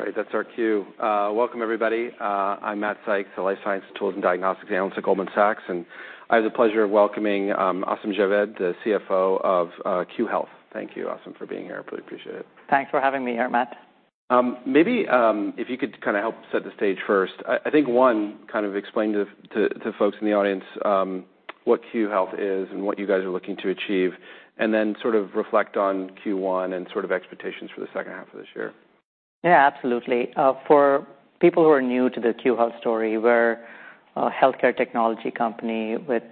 All right. That's our Q. Welcome, everybody. I'm Matt Sykes, the Life Science Tools and Diagnostics Analyst at Goldman Sachs. And I have the pleasure of welcoming, Asim Javed, the CFO of Q Health. Thank you, Asim, for being here. I really appreciate it. Thanks for having me here, Matt. Maybe if you could kind of help set the stage first. I think one kind of explain to folks in the audience what Q Health is and what you guys are looking to achieve? And then sort of reflect on Q1 and sort of expectations for the second half of this year? Yes, absolutely. For people who are new to the Q Health story, we're a healthcare technology company with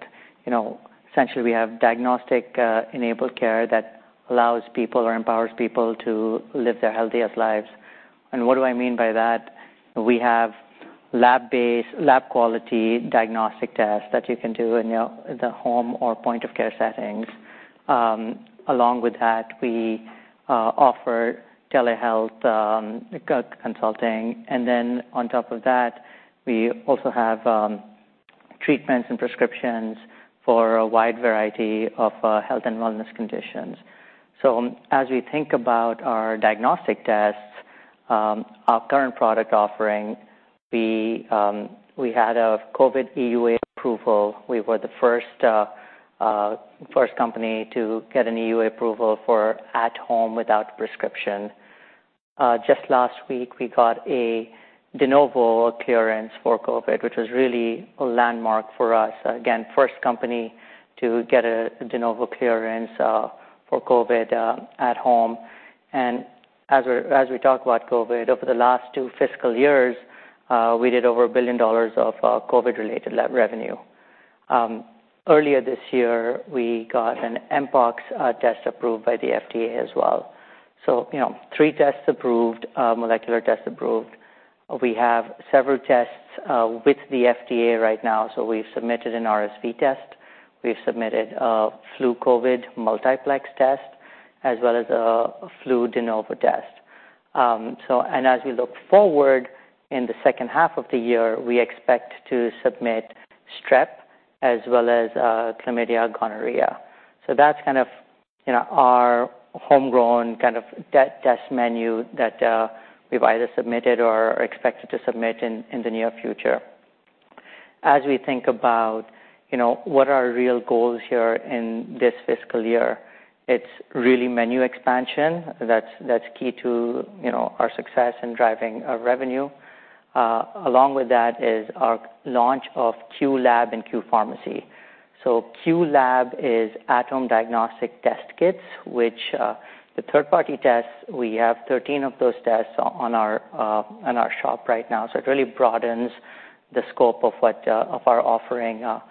essentially we have diagnostic enabled care that allows people or empowers people to live their healthiest lives. And what do I mean by that? We have lab based, lab quality diagnostic tests that you can do in the home or point of care settings. Along with that, we offer telehealth consulting. And then on top of that, we also have treatments and prescriptions for a wide variety of health and wellness conditions. So as we think about our diagnostic tests, our current product offering, we had a COVID EUA approval. We were the 1st company to get an EUA approval for at home without prescription. Just last week, we got a de novo clearance for COVID, which was really a landmark for us. Again, 1st company to get a de novo clearance for COVID at home. And as we talk about COVID over the last two fiscal years, we did over $1,000,000,000 of COVID related revenue. Earlier this year, we got an MPOX test approved by the FDA as well. So, 3 tests approved, molecular tests approved. We have several tests with the FDA right now. So we've submitted an RSV test. We've submitted a flu COVID multiplex test as well as a flu de novo test. So and as we look forward in the second half of the year, we expect to submit strep as well as chlamydia, gonorrhea. So that's kind of our homegrown kind of test menu that we've either submitted or expected to submit in the near future. As we think about what our real goals here in this fiscal year, it's really menu expansion. That's key to our success in driving our revenue. Along with that is our launch of Q Lab and Q Pharmacy. So Q Lab is at home diagnostic test kits, which the 3rd party tests, we have 13 of those tests So on our shop right now. So it really broadens the scope of what of our offering on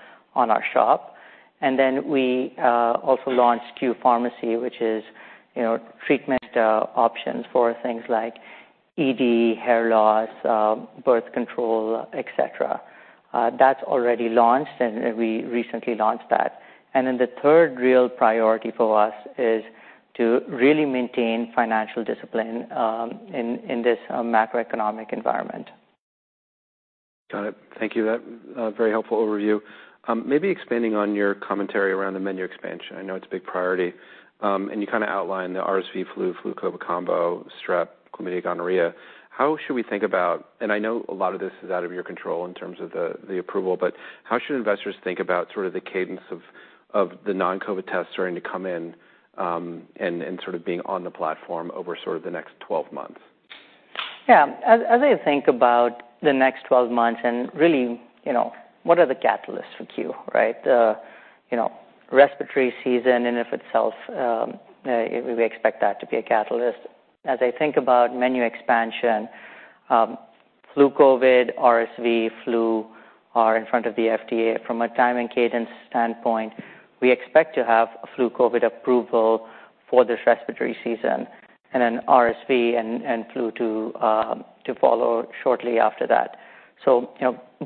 our shop. And then we also launched Q Pharmacy, which is treatment options for things like ED, hair loss, birth control, etcetera. That's already launched and we recently launched that. And then the 3rd real priority for us is to really maintain financial discipline in this macroeconomic environment. Got it. Thank you. Very helpful overview. Maybe expanding on your commentary around the menu expansion. I know it's a big priority. And you kind of outlined the RSV flu, flu COVID combo, strep, chlamydia, gonorrhea. How should we think about and I know a lot of this is out of your control in terms of the approval, but how should investors think about sort of the cadence of the non COVID test starting to come in, and sort of being on the platform over sort of the next 12 months? Yeah. As I think about the next 12 months and really, what are the catalysts for Q, right? Respiratory season and if itself, we expect that to be a catalyst. As I think about menu expansion, flu COVID, RSV, flu are in front of the FDA. From a time and cadence standpoint, we expect to have flu COVID approval for this respiratory season and then RSV and flu to follow shortly after that. So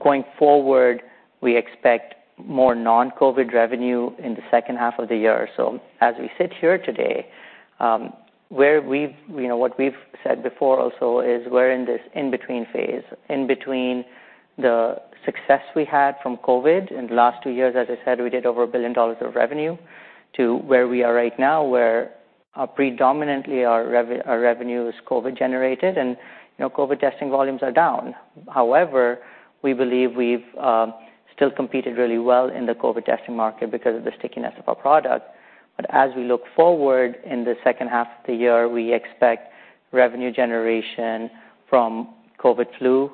going forward, we expect more non COVID revenue in the second half of the year. So as we sit here today, where we've what we've said before also is we're in this in between phase, in between the best we had from COVID in the last 2 years, as I said, we did over $1,000,000,000 of revenue to where we are right now, where predominantly, our revenue is COVID generated and COVID testing volumes are down. However, we believe we've still competed really well in the COVID testing market because of the stickiness of our product. But as we look forward in the second half the year we expect revenue generation from COVID flu,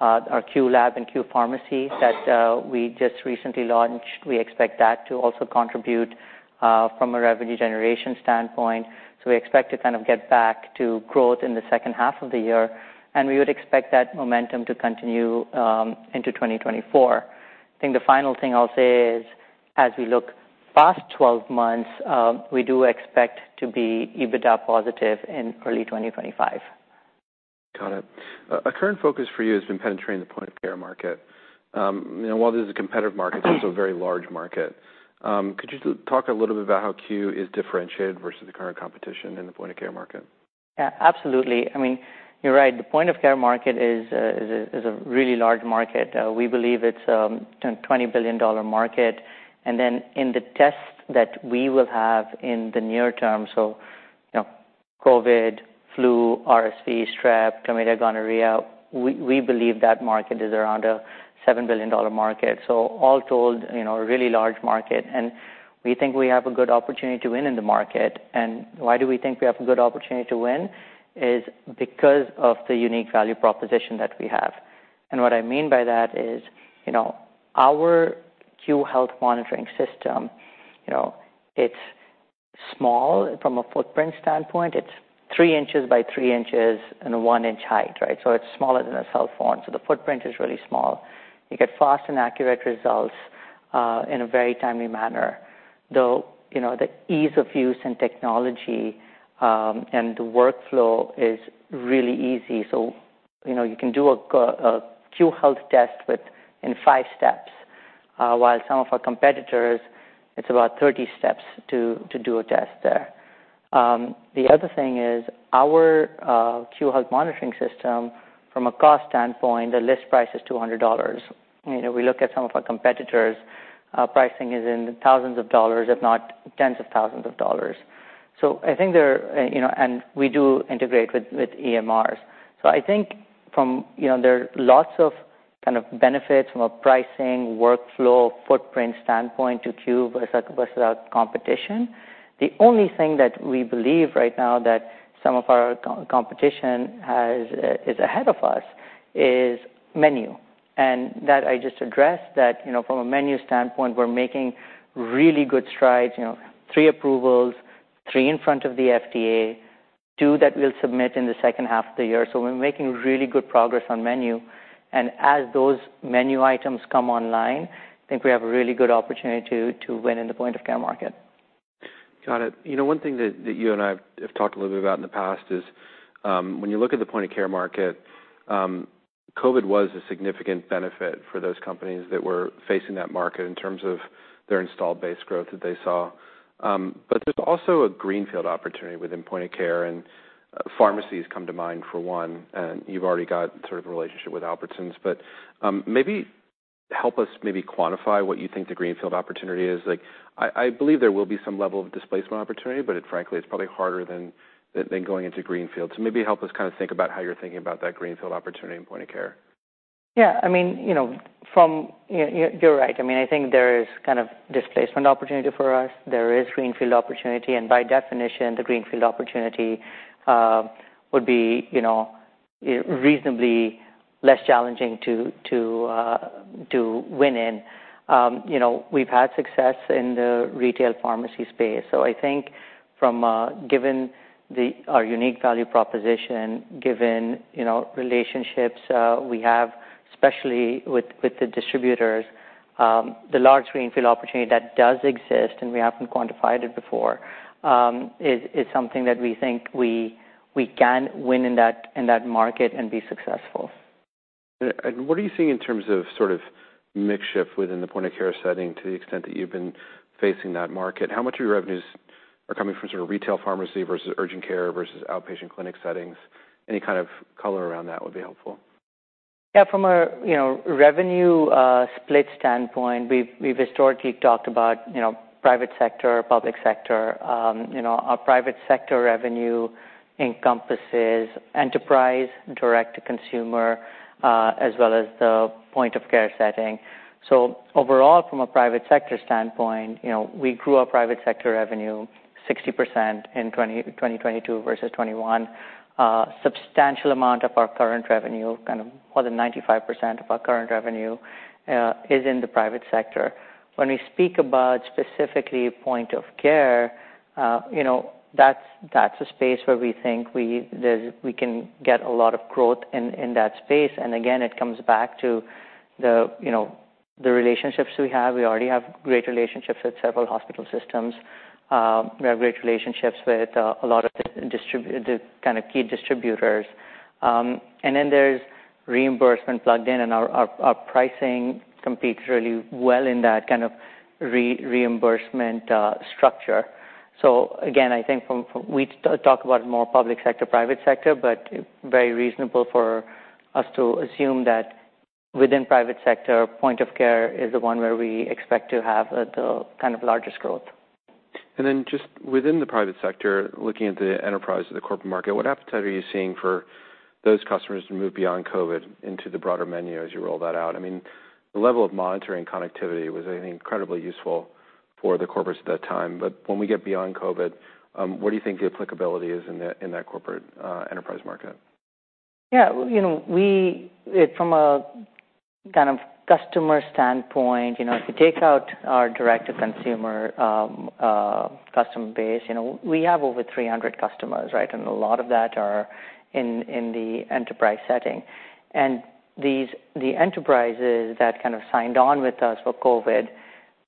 our Q Lab and Q Pharmacy that we just recently launched, we expect that to also contribute from a revenue generation standpoint. So we expect to kind of get back to growth in the second half of the year. And we would expect that momentum to continue into 2024. I think the final thing I'll say is, as we look past 12 months, we do expect to be EBITDA positive in early 2025. Got it. A current focus for you has been penetrating the point of care market. While this is a competitive market, it's also a very large market. Could you talk a little bit about how CU is differentiated versus the current competition in the point of care market? Yes, absolutely. I mean, You're right. The point of care market is a really large market. We believe it's $20,000,000,000 market. And then in the tests that we will have in the near term, so COVID, flu, RSV, strep, tomato gonorrhea, we believe that market is around a $7,000,000,000 market. So all told, a really large market. And we think we have a good opportunity to win in the market. And why do we think we have a good opportunity to win is because of the unique value proposition that we have. And what I mean by that is our Q health monitoring system, it's small from a footprint standpoint. It's 3 inches by 3 inches and 1 inches height, right. So it's smaller than a cell phone. So the footprint is really small. You get fast and accurate results in a very timely manner. Though the ease of use and technology and the workflow is really easy. You can do a Q health test with in 5 steps, while some of our competitors, it's about 30 steps to do a test there. The other thing is our QHUG monitoring system from a cost standpoint, the list price is $200 we look at some of our competitors, pricing is in 1,000 of dollars, if not tens of 1,000 of dollars. So I think there And we do integrate with EMRs. So I think from there are lots of kind of benefits from a pricing workflow footprint standpoint to cube versus our competition, the only thing that we believe right now that some of our competition is ahead of us is menu. And that I just addressed that from a menu standpoint, we're making really good strides, 3 approvals, 3 in front of the FDA, 2 that we'll submit in the second half of the year. So we're making really good progress on menu. And as those menu items come online, I think we have a really good opportunity to win in the point of care market. Got it. One thing that you and I have talked a little bit about in the past is, when you look at the point of care market, COVID was a significant benefit for those companies that were facing that market in terms of their installed base growth that they saw. But there's also a greenfield opportunity within point of care and pharmacies come to mind for 1, and you've already got sort of a relationship with Albertsons. But maybe help us maybe quantify what you think the greenfield opportunity is? Like, I believe there will be some level of displacement opportunity, but it frankly, it's probably harder then going into greenfield. So maybe help us kind of think about how you're thinking about that greenfield opportunity and point of care. Yes. I mean, from You're right. I mean, I think there is kind of displacement opportunity for us. There is greenfield opportunity. And by definition, the greenfield opportunity would be reasonably less challenging to win in. We've had success in the retail pharmacy space. So I think from given our unique value proposition, given relationships we have, especially with the distributors, the large greenfield opportunity that does exist and we haven't quantified it before it's something that we think we can win in that market and be successful. And what are you seeing in terms of sort of mix shift within the point of care setting to the extent that you've been facing that market. How much of your revenues are coming from sort of retail pharmacy versus urgent care versus outpatient clinic settings? Any kind of color around that would be helpful. Yes. From a revenue split standpoint, we've historically talked about Private sector, public sector, our private sector revenue encompasses enterprise, direct to consumer, as well as the point of care setting. So overall from a private sector standpoint, we grew our private sector revenue 60% in 2022 versus 2021. Substantial amount of our current revenue, kind of more than 95% of our current revenue is in the private sector. When we speak about specifically point of care, that's a space where we think we can get a lot of growth in that space. And again, it comes back to the relationships we have, we already have great relationships with several hospital systems. We have great relationships with a lot of the kind of key distributors. And then there's reimbursement plugged in and our pricing competes really well in that kind of reimbursement structure. So again, I think from we talk about more public sector, private sector, but very reasonable for us to assume that within private sector, point of care is the one where we expect to have the kind of largest growth. And then just within the private sector, looking at the enterprise of the corporate market, what appetite are you seeing for those customers to move beyond COVID into the broader menu as you roll that out. I mean, the level of monitoring connectivity was incredibly useful for the corporates at that time. But when we get beyond COVID, what do you think the applicability is in that corporate enterprise market? Yes. We from a kind of customer standpoint, if you take out our direct to consumer customer base, we have over 300 Right. And a lot of that are in the enterprise setting. And these the enterprises that kind of signed on with us for COVID,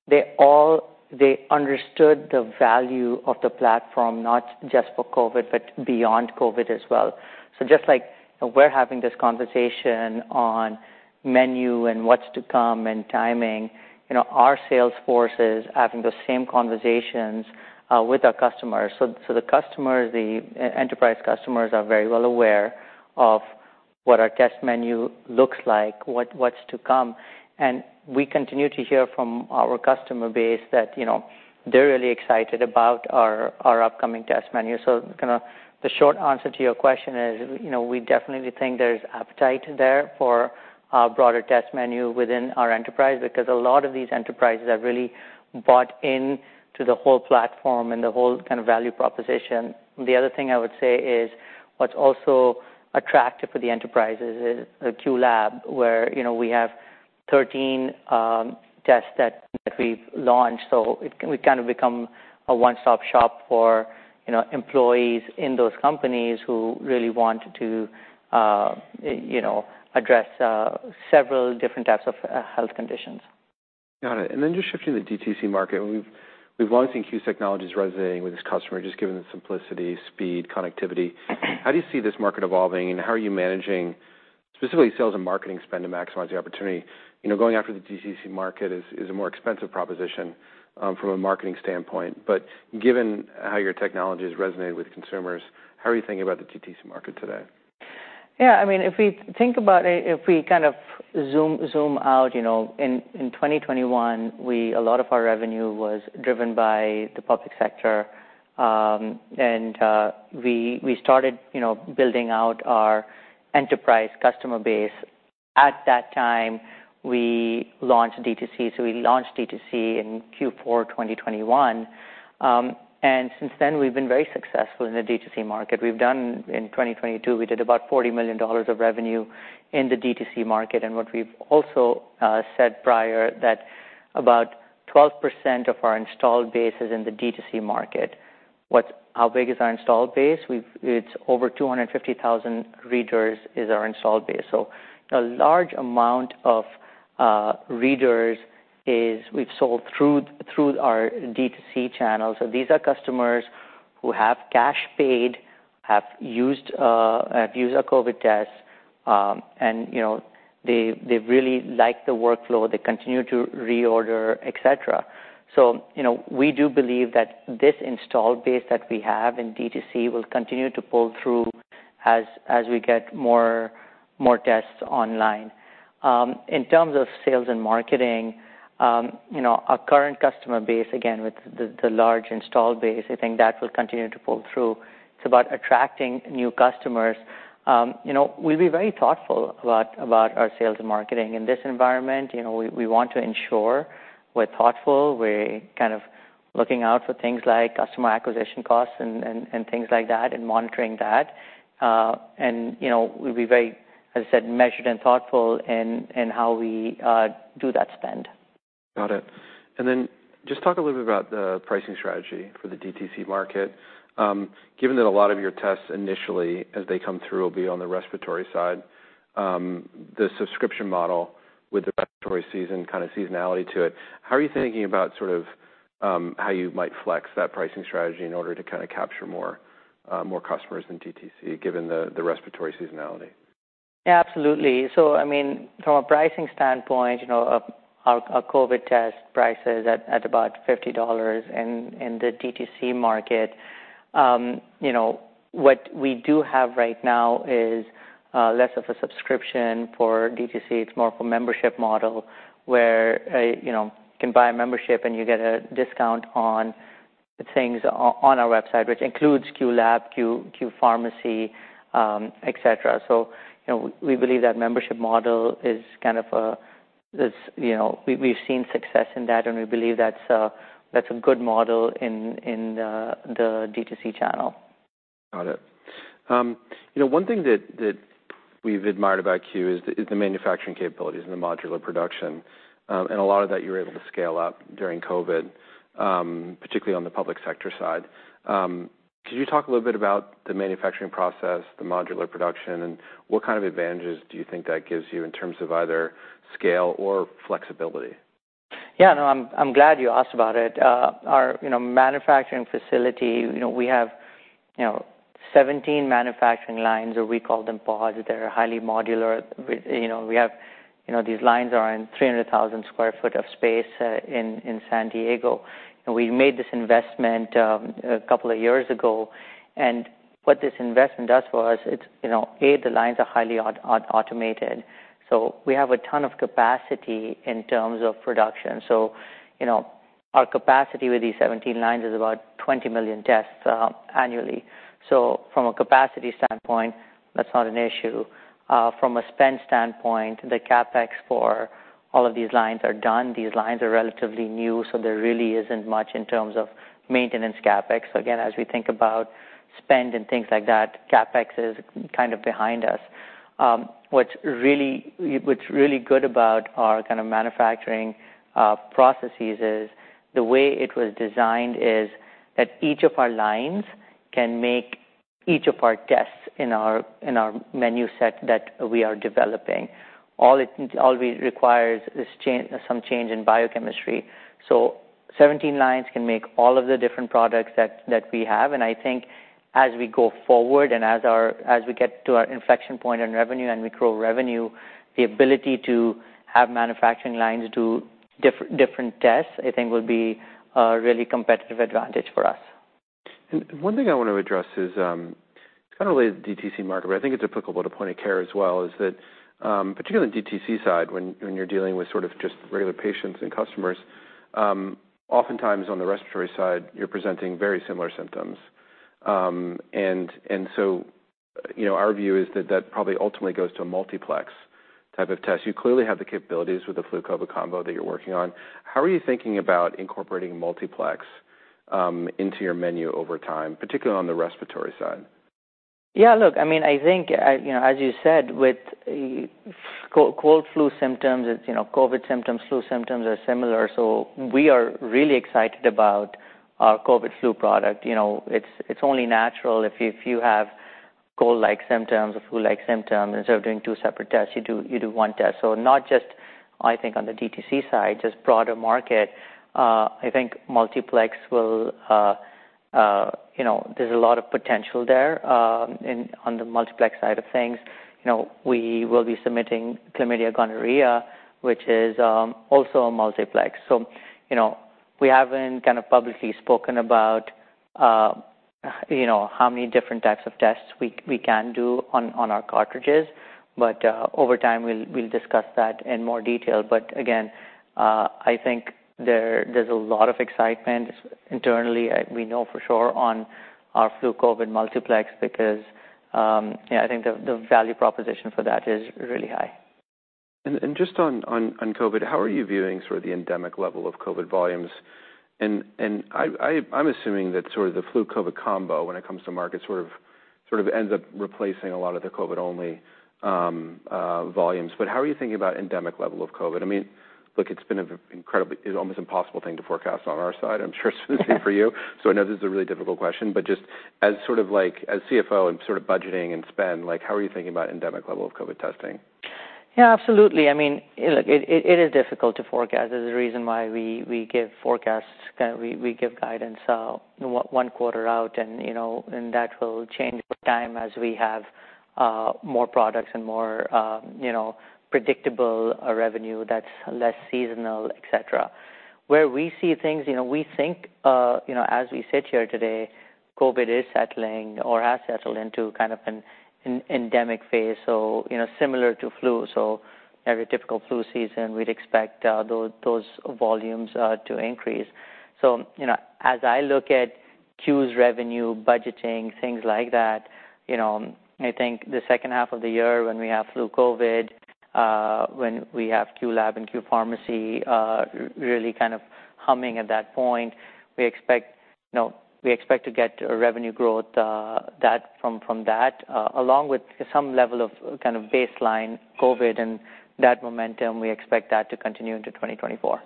they all they understood the value of the platform, not just for COVID, but beyond COVID as well. So just like we're having this conversation on menu and what's to come and timing. Our sales force is having the same conversations with our customers. So the customers, the enterprise customers are very well aware of what our test menu looks like, what's to come. And we continue to hear from our customer base that they're really excited about our upcoming test menu. So kind of the short answer to your question is, we definitely think there's appetite there for our broader test menu within our enterprise, because a lot of these enterprises have really bought into the whole platform and the whole kind of value proposition. The other thing I would say is what's also attractive for the enterprises is Qlab where we have 13 tests that we've launched. So it can kind of become a one stop shop for employees in those companies who really wanted to address several different types of health conditions. Got it. And then just shifting to the DTC market, we've long seen CUE Technologies resonating with this customer just given simplicity, speed, connectivity. How do you see this market evolving and how are you managing specifically sales and marketing spend to maximize the opportunity? Going after the TTC market is a more expensive proposition from a marketing standpoint. But given how your technology has resonated with consumers, how are you thinking about the TTC market today? Yes. I mean, if we think about it, if we kind of zoom out, In 2021, we a lot of our revenue was driven by the public sector. And we started building out our enterprise customer base at that time, we launched DTC. So we launched DTC in Q4 2021. And since then we've been very successful in the DTC market. We've done in 2022, we did about $40,000,000 of revenue In the DTC market and what we've also said prior that about 12% of our installed base is in the DTC market. What's how big is our installed base? It's over 250,000 readers is our installed base. So a large amount of readers is we've sold through our D2C channel. So these are customers who have cash paid, have used our COVID test, and they really like the workflow, they continue to reorder, etcetera. So we do believe that this installed base that we have in DTC will continue to pull through as we get more tests online. In terms of sales and marketing, our current customer base, again, with the large installed base, I think that will continue to pull through. It's about attracting new customers. We'll be very thoughtful About our sales and marketing in this environment, we want to ensure we're thoughtful, we're kind of looking out for things like customer acquisition Costs and things like that and monitoring that. And we'll be very, as I said, measured and thoughtful in how we do that spend. Got it. And then just talk a little bit about the pricing strategy for the DTC market. Given that a lot of your tests initially as they come through will be on the story side. The subscription model with the story season kind of seasonality to it, how are you thinking about sort of how you might flex that pricing strategy in order to kind of capture more customers than TTC given the respiratory seasonality? Absolutely. So I mean, from a pricing standpoint, our COVID test prices at about $50 in the DTC market. What we do have right now is less of a subscription for DTC. It's more of a membership model where you can buy a membership and you get a discount on things on our website, which includes Qlab, Q Pharmacy, etcetera. So we believe that membership model is kind of we've seen success in that and we believe that's a good model in the DTC channel. Got it. One thing that we've admired about Kew is the manufacturing capabilities and the modular production. And a lot of that you're able to scale up during COVID, particularly on the public sector side. Could you talk a little bit about the manufacturing process, the modular production and what kind of advantages do you think that gives you in terms of either scale or flexibility? Yes. No, I'm glad you asked about it. Our manufacturing Facility, we have 17 manufacturing lines or we call them pods that are highly modular. We have these lines are in 300,000 square foot of space in San Diego. And we made this investment a couple of years ago. And what this investment does for us, it's, A, the lines are highly automated. So we have a ton of capacity in terms of production. Our capacity with these 17 lines is about 20,000,000 tests annually. So from a capacity standpoint, that's not an issue. From a spend standpoint, the CapEx for all of these lines are done. These lines are relatively new. So there really isn't much in terms of maintenance CapEx. So again, as we think about spend and things like that, CapEx is kind of behind us. What's really good about our kind of manufacturing processes is the way it was designed is at each of our lines can make each of our tests in our menu set that we are developing. All it requires is some change in biochemistry. So 17 lines can make all of the different products that we have. And I think as we go forward and as our as we get to our inflection point in revenue and we grow revenue, the ability to have manufacturing lines do different tests, I think will be a really competitive advantage for us. And one thing I want to address is it's kind of related to DTC market, but I think it's applicable to point of care as well is that, particularly on DTC side when you're dealing with sort of just regular patients and customers, oftentimes on the respiratory side, you're presenting very similar symptoms. And so our view is that that probably ultimately goes to a multiplex type of test. You clearly have the capabilities with the Flucova combo that you're working on. How are you thinking about incorporating multiplex into your menu over time, particularly on the respiratory side? Yes. Look, I mean, I think, as you said, with sorry, sorry. Yes. Look, I mean, I think, as you said, with cold flu symptoms, COVID symptoms, flu symptoms are similar. So we are really excited about our COVID flu product. It's only natural if you have cold like symptoms or like symptoms, instead of doing 2 separate tests, you do one test. So not just, I think, on the DTC side, just broader market. I think multiplex will there's a lot of potential there on the multiplex side of things. We will be submitting chlamydia gonorrhea, which is also a multiplex. So we haven't kind of publicly spoken about how many different types of tests we can do on our cartridges. But over time, we'll discuss that in more detail. But again, I think there's a lot of excitement internally. We know for sure on our flu COVID multiplex because I think the value proposition for that is really high. And just on COVID, how are you viewing sort of the endemic level of COVID volumes? And I'm assuming that sort of the flu COVID combo when it comes to market sort of ends up replacing a lot of the COVID only volumes. But how are you thinking about endemic level of COVID? I mean, look, it's been an incredibly it's almost impossible thing to forecast on our side. I'm sure it's been for you. So I know this is a really difficult question, but just as sort of like as CFO and sort of budgeting and spend, like how are you thinking about endemic level of COVID testing? Yes, absolutely. I mean, look, it is difficult to forecast. There's a reason why we give forecasts we give guidance 1 quarter out and that will change over time as we have more products and more predictable revenue that's less seasonal, etcetera. Where we see things, we think as we sit here today, COVID is settling or has settled into kind of an endemic phase. So similar to flu, so every typical flu season, we'd expect those volumes to increase. So as I look at CUES revenue, budgeting, things like that, I think the second half of the year when we have flu COVID, when we have Qlab and Q Pharmacy, really kind of humming at that point. We expect to get revenue growth that from that along with some level of kind of baseline COVID and that momentum, we expect that to continue into 2024.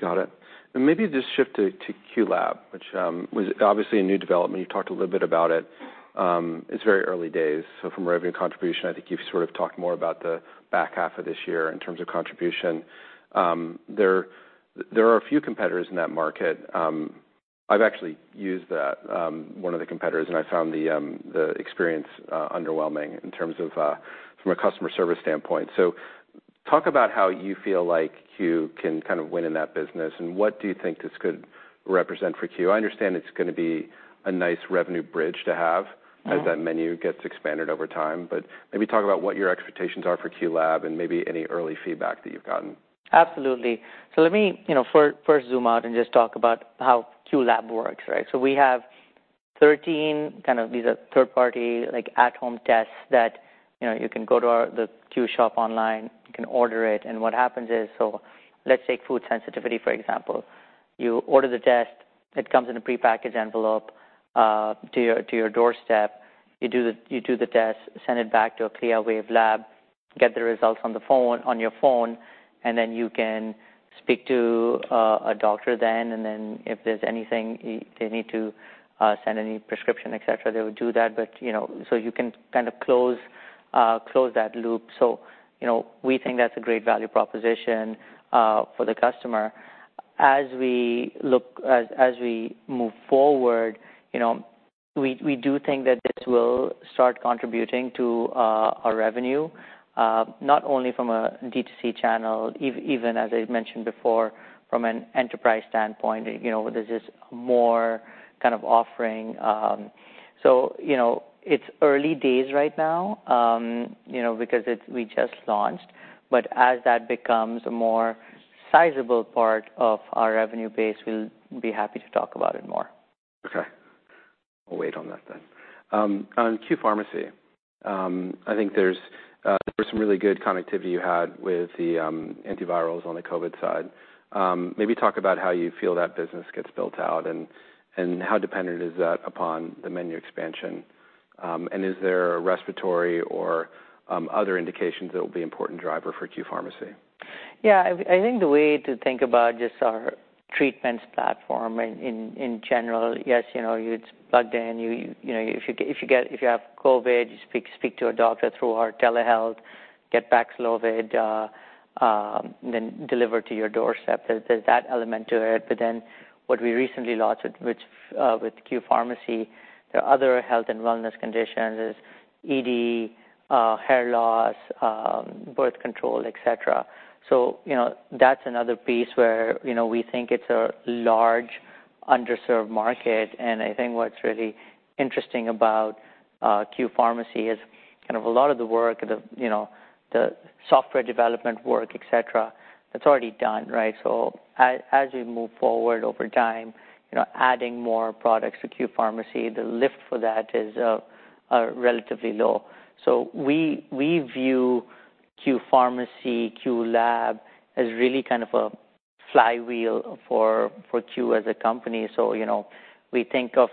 Got it. And maybe just shift to QLab, which was obviously a new development. You talked a little bit about it. It's very early days. So from revenue contribution, I think you've sort of talked more about the back half of this year in terms of contribution. There are a few competitors in that market. I've actually used that, one of the competitors and I found the experience underwhelming in terms of, from a customer service standpoint. So talk about how you feel like Q can kind of win in that business and what do you think this could represent for Q? I understand it's going to be a nice revenue bridge to have as that menu gets expanded over time, but maybe talk about what your expectations are for QLab and maybe any early feedback that you've gotten? Absolutely. So let me first zoom out and just talk about how QLab works, right. So we have 13 kind of these are 3rd party like at home tests that you can go to the Q shop online, you can order it. And what happens is, so let's take food sensitivity, for example. You order the test. It comes in a prepackaged envelope to your doorstep. You do the test, send it back to a clear wave lab, get the results on the phone on your phone and then you can speak to a doctor then. And then if there's anything they need to send any prescription, etcetera, they would do that. But so you can kind of close that loop. So we think that's a great value proposition for the customer. As we look as we move forward, we do think that this will start contributing to our revenue, not only from a DTC channel, even as I mentioned before, From an enterprise standpoint, this is more kind of offering. So it's Early days right now, because we just launched. But as that becomes a more sizable part of our revenue base, we'll Be happy to talk about it more. Okay. I'll wait on that then. On Q Pharmacy, I think there there were some really good connectivity you had with the antivirals on the COVID side. Maybe talk about how you feel that business gets built out And how dependent is that upon the menu expansion? And is there a respiratory or other indications that will be important driver for Q Pharmacy? Yes. I think the way to think about just our treatments platform in general, yes, it's Plugged in, if you have COVID, you speak to a doctor through our telehealth, get Paxlovid, then delivered to your doorstep. There's that element to it. But then what we recently launched with Q Pharmacy, the other health and wellness conditions is ED, hair loss, birth control, etcetera. So that's another piece where we think it's a large underserved market. And I think what's really interesting about Q Pharmacy is kind of a lot of the work, the software development work, etcetera, that's already done, right? So As we move forward over time, adding more products to Q Pharmacy, the lift for that is relatively low. So we view Q Pharmacy, Q Lab as really kind of a flywheel for Q as a company. So we think of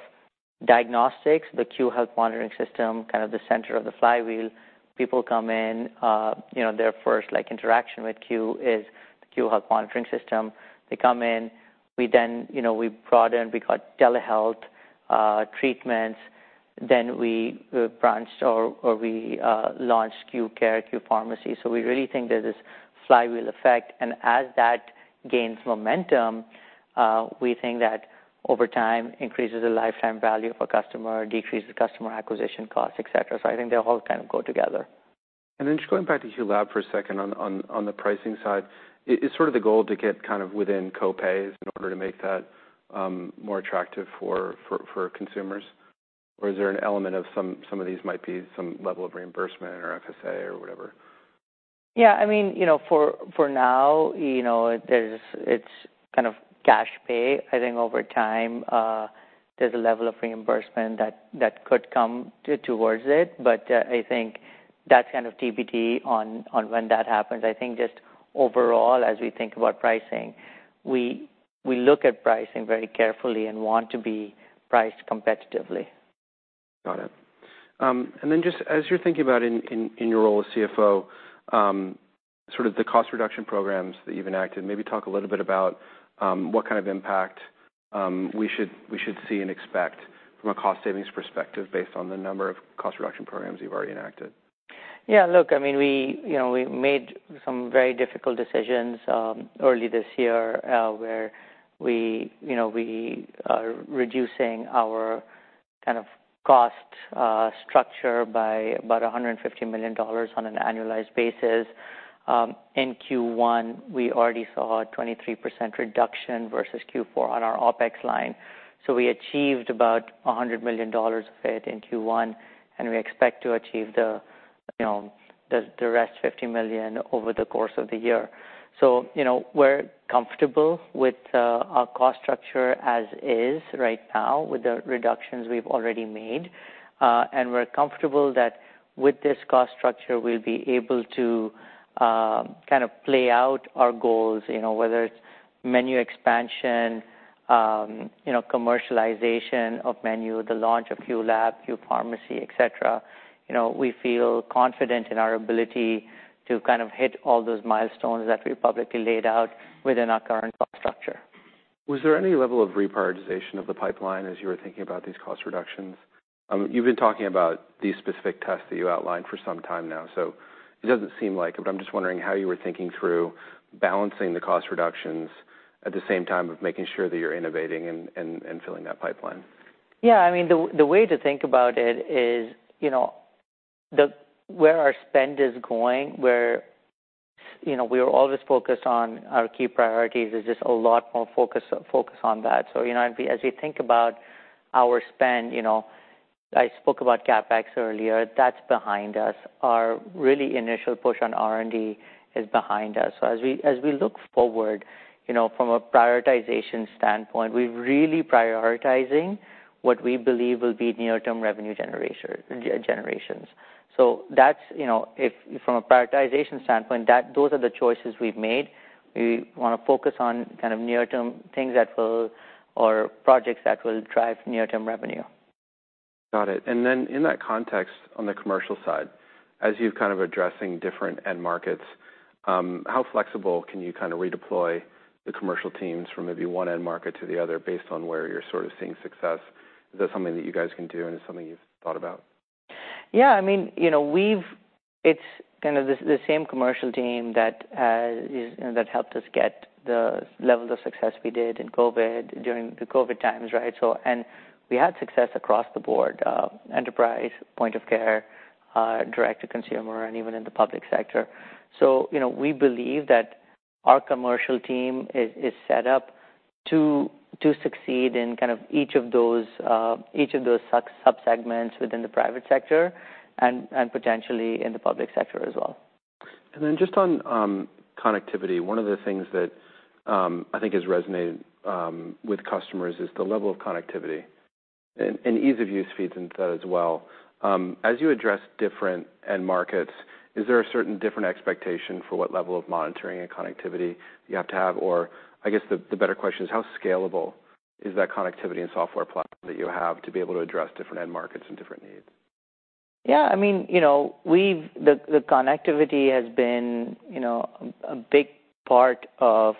diagnostics, the Q Health Monitoring System, kind of the center of the flywheel. People come in, their first like interaction with Q is the Q health monitoring system, they come in, we then we brought in, we got telehealth treatments, then we branched or we launched Q Care, Q Pharmacy. So we really think there's this flywheel effect. And as that gains momentum, we think that over time increases the lifetime value of a customer, decreases customer acquisition costs, etcetera. So I think they all kind of go together. And then just going back to HuwLab for a second on the pricing side. Is sort of the goal to get kind of within co pays in order to make that more attractive for consumers? Or is there an element of some of these might be some level of reimbursement or FSA or whatever? Yes. I mean, for now, there's it's kind of cash pay. I think over time, there's a level of reimbursement that could come towards it. But I think that's kind of TBD on when that happens. I think just overall, as we think about pricing, we look at pricing very carefully and want to be priced competitively. Got it. And then just as you're thinking about in your role as CFO, sort of the cost reduction programs that you've enacted, maybe talk a little bit about what kind of impact we should see and expect from a cost savings perspective based on the number of cost reduction programs you've already enacted? Yes. Look, I mean, we made some very difficult decisions early this year, where we are reducing our kind of cost structure by about 100 and $1,000,000 on an annualized basis. In Q1, we already saw a 23% reduction versus Q4 on our OpEx line. So we achieved about $100,000,000 of it in Q1 and we expect to achieve the rest $50,000,000 over the course of the year. So we're comfortable with our cost structure as is right now with the reductions we've already made. And we're comfortable that with this cost structure, we'll be able to kind of play out our goals, whether it's menu expansion, commercialization of menu, the launch of HuLab, Hu Pharmacy, etcetera, we feel confident in our ability to kind of hit all those milestones that we publicly laid out within our current cost structure. Was there any level of reprioritization of the pipeline as you were thinking about these cost reductions? You've been talking about these specific tests that you outlined for some time now. So it doesn't seem like, but I'm just wondering how you were thinking through balancing the cost reductions at the same time of making sure that you're innovating and filling that pipeline. Yes, I mean the way to think about it is where our spend is going, where we are always focused on our key priorities. There's just a lot more focus on that. So as we think about our spend, I spoke about CapEx earlier, that's behind us. Our really initial push on R and D is behind us. So as we look forward, from a prioritization standpoint, we're really prioritizing what we believe will be near term revenue generations. So that's from a prioritization standpoint, those are the choices we've made. We want to focus on kind of near term things that will or projects that will drive near term revenue. Got it. And then in that context on the commercial side, as you're kind of addressing different end markets, how flexible can you kind of redeploy the commercial teams from maybe one end market to the other based on where you're sort of seeing success. Is that something that you guys can do and it's something you've thought about? Yes. I mean, we've It's kind of the same commercial team that helped us get the level of success we did in COVID during the COVID times, right. So and we had success across the board, enterprise, point of care, direct to consumer and even in the public sector. So we believe that our commercial team is set up to succeed in kind of each of those sub segments within the private sector and And potentially in the public sector as well. And then just on connectivity, one of the things that I think has resonated with customers is the level of connectivity and ease of use feeds into that as well. As you address different end markets, is there a certain different expectation for what level of monitoring and connectivity you have to have? Or I guess the better question is how scalable is that connectivity and software platform that you have to be able to address different end markets and different needs? Yes. I mean, we've the connectivity has been a big part of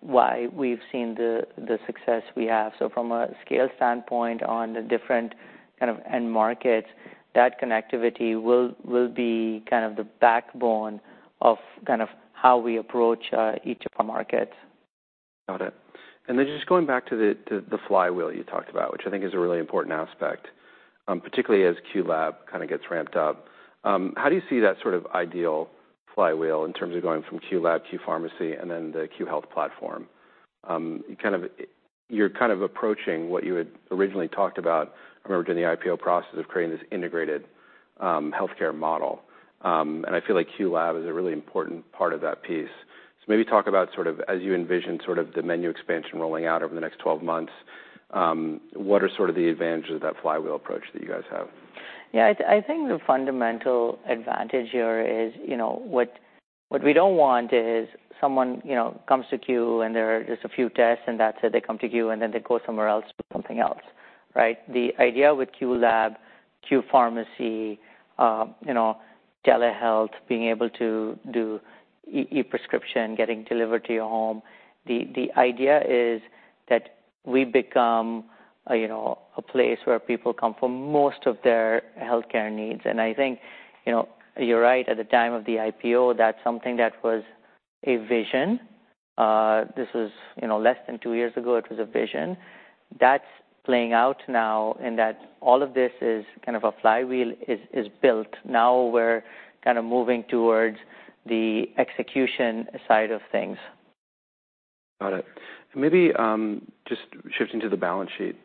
why we've seen the success we have. So from a scale standpoint on the different kind of end markets, that connectivity will be kind of the backbone of kind of how we approach each of our markets. Got it. And then just going back to the flywheel you talked about, which I think is a really important aspect, particularly as Qlab kind of gets ramped up, how do you see that sort of ideal flywheel in terms of going from Qlab, Q Pharmacy and then the Q Health platform? You're kind of approaching what you had originally talked about, I remember during the IPO process of creating this integrated healthcare model. And I feel like QLab is a really important part of that piece. So maybe talk about sort of as you envision sort of the menu expansion rolling out over the next 12 months, what are sort of the advantages of that flywheel approach that you guys have? Yes. I think the fundamental advantage here is, What we don't want is someone comes to Q and there are just a few tests and that's it, they come to Q and then they go somewhere else to do something else, right? The idea with Q Lab, Q Pharmacy, telehealth being able to do e prescription getting delivered to your home. The idea is that we become a place where people come for most of their health care needs. And I think you're right, at the time of the IPO, that's something that was a vision. This was less than 2 years ago, it was a vision. That's playing out now and that all of this is kind of a flywheel is built. Now we're kind of moving towards the execution side of things. Got it. And maybe, just shifting to the balance sheet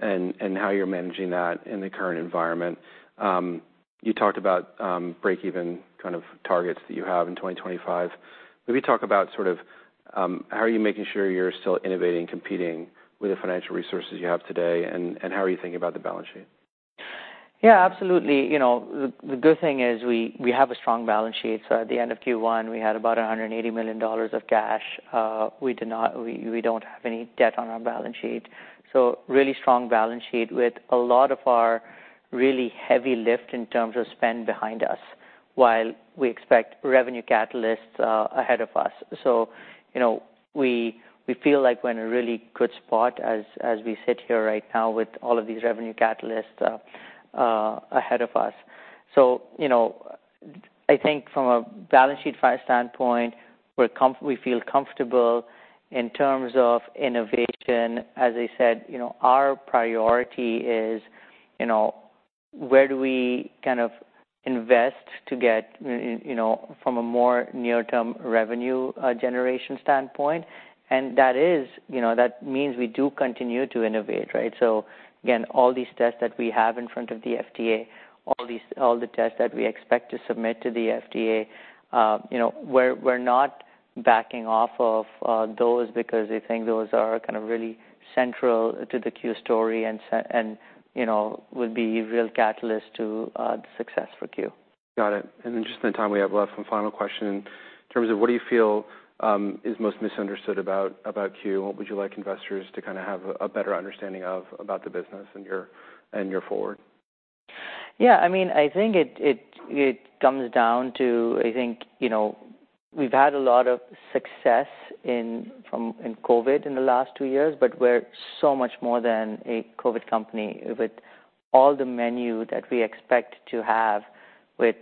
and how you're managing that in the current environment. You talked about breakeven kind of targets that you have in 2025. Maybe talk about sort of, how are you making sure you're still innovating, competing with the financial resources you have today? And how are you thinking about the balance sheet? Yes, absolutely. The good thing is we have a strong balance sheet. So at the end of Q1, we had about $180,000,000 of cash. We do not we don't have any debt on our balance sheet. So really strong balance sheet with a lot of our really heavy lift in terms of spend behind us, while we expect revenue catalysts ahead of us. So we feel like we're in a really good spot as we sit here right now with all of these revenue catalysts ahead of us. So I think from a balance sheet price standpoint, we feel comfortable in terms of innovation. As I said, our priority is where do we kind of invest to get from a more near term revenue generation standpoint, and that is that means we do continue to innovate, right. So again, all these tests that we have in front of the FDA, all the tests that we expect to submit to the FDA, we're not backing off of those because they think those are kind of really central to the Q story and would be real catalyst to the success for Q. Got it. And then just in time we have left, one final question. In terms of what do you feel, is most misunderstood about Q? What would you like investors to kind of have a better understanding of about the business and your forward? Yes. I mean, I think it comes down to, I think, we've had a lot of success From COVID in the last 2 years, but we're so much more than a COVID company with all the menu that we expect to have with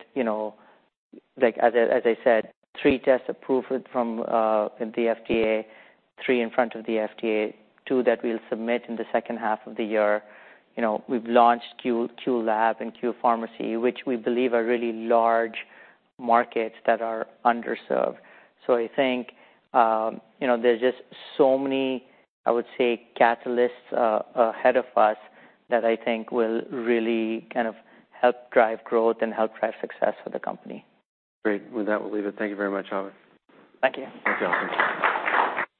like as I said, 3 tests approved from the FDA, 3 in front of the FDA, 2 that we'll submit in the second half of the year, we've launched QLab and Q Pharmacy, which we believe are really large markets that are underserved. So I think, there's just so many, I would say, catalysts ahead of us that I think will really kind of help drive growth and help drive success for the company. Great, with that we'll leave it. Thank you very much, Amit. Thank you.